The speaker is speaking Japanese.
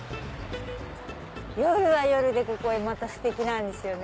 夜は夜でまたステキなんですよね。